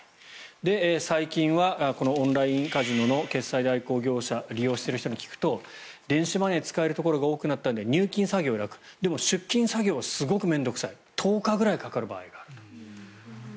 最近はこのオンラインカジノの決済代行業者を利用している人に聞くと電子マネーが使えるところが多くなったので入金作業が楽でも、出金作業がすごく面倒臭い１０日ぐらいかかる場合がある。